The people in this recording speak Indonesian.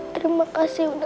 terima kasih untuk